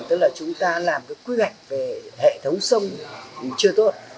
tức là chúng ta làm cái quy hoạch về hệ thống sông chưa tốt